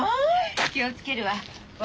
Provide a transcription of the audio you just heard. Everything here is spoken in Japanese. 気を付けるわ。